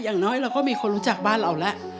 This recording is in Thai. อย่างน้อยเราก็มีคนรู้จักบ้านเราแล้ว